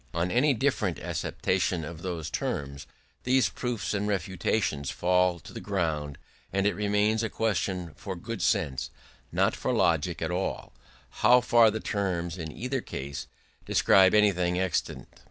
On any different acceptation of those terms, these proofs and refutations fall to the ground; and it remains a question for good sense, not for logic at all, how far the terms in either case describe anything existent.